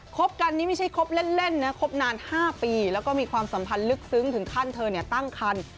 บกันนี่ไม่ใช่คบเล่นนะคบนาน๕ปีแล้วก็มีความสัมพันธ์ลึกซึ้งถึงขั้นเธอตั้งคัน